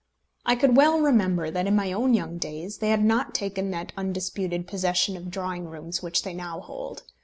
I could well remember that, in my own young days, they had not taken that undisputed possession of drawing rooms which they now hold.